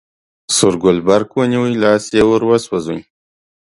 سور ګل برق ونیوی، لاس یې وروسوځوی.